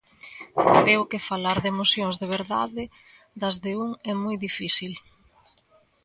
Creo que falar de emocións de verdade, das de un, é moi difícil.